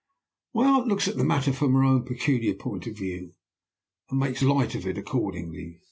"My aunt looks at the matter from her own peculiar point of view, and makes light of it accordingly.